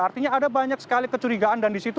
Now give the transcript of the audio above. artinya ada banyak sekali kecurigaan dan di situ